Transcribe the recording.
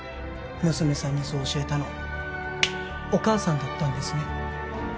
娘さんにそう教えたのはお母さんだったんですね